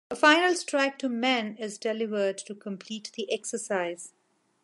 A final strike to "men" is delivered to complete the exercise.